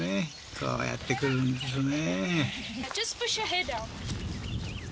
こうやってくるんですね。